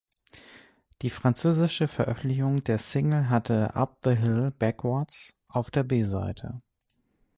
Die französische Veröffentlichung der Single hatte „Up the Hill Backwards“ auf der B-Seite.